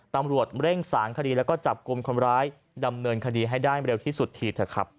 ตำรวจเร่งสารคดีและจับกลมคนร้ายดำเนินคดีให้ได้เร็วที่สุดที